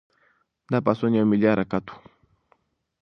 دا پاڅون یو ملي حرکت و.